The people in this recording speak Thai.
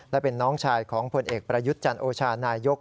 และเป็นน้องชายของผลเอกประยุทธ์จันโอชานายก